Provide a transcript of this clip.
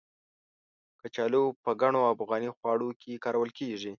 کچالو په ګڼو افغاني خواړو کې کارول کېږي.